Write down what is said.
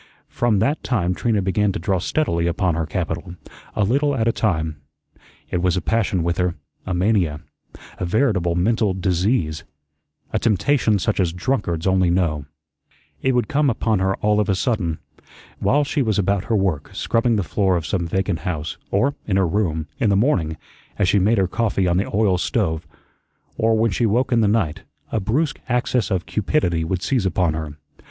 From that time Trina began to draw steadily upon her capital, a little at a time. It was a passion with her, a mania, a veritable mental disease; a temptation such as drunkards only know. It would come upon her all of a sudden. While she was about her work, scrubbing the floor of some vacant house; or in her room, in the morning, as she made her coffee on the oil stove, or when she woke in the night, a brusque access of cupidity would seize upon her.